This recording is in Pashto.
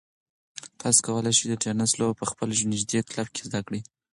تاسو کولای شئ چې د تېنس لوبه په خپل نږدې کلب کې زده کړئ.